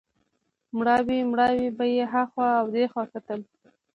مړاوی مړاوی به یې هخوا او دېخوا کتل.